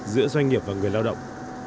giữa doanh nghiệp và người lao động